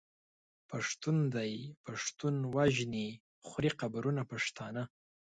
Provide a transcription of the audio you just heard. پښتون دی پښتون وژني خوري قبرونه پښتانه